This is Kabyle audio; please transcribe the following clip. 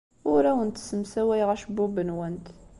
Ur awent-ssemsawayeɣ acebbub-nwent.